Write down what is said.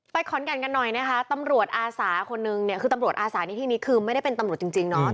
ขอนแก่นกันหน่อยนะคะตำรวจอาสาคนนึงเนี่ยคือตำรวจอาสาในที่นี้คือไม่ได้เป็นตำรวจจริงเนาะ